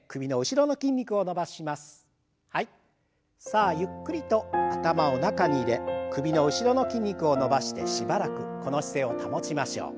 さあゆっくりと頭を中に入れ首の後ろの筋肉を伸ばしてしばらくこの姿勢を保ちましょう。